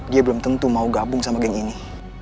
dia belum tentu mau gabung sama geng ini